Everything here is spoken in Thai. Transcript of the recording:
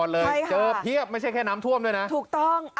เจอเพียบไม่ใช่แค่น้ำท่วมด้วยนะถูกต้อง